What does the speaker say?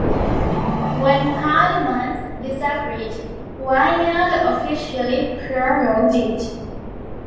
When Parliament disagreed, Wynyard officially prorogued it.